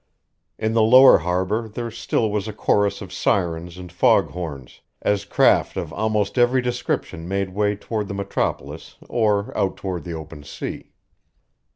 In the lower harbor there still was a chorus of sirens and foghorns, as craft of almost every description made way toward the metropolis or out toward the open sea.